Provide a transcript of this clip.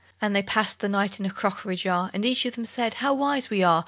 And they passed the night in a crockery jar; And each of them said, "How wise we are!